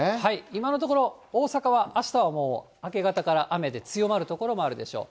今のところ、大阪はあしたはもう明け方から雨で、強まる所もあるでしょう。